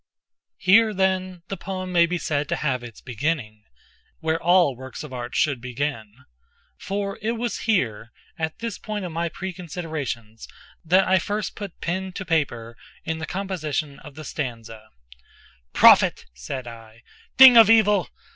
Here then the poem may be said to have its beginning—at the end, where all works of art should begin—for it was here, at this point of my preconsiderations, that I first put pen to paper in the composition of the stanza:"'Prophet,' said I, 'thing of evil!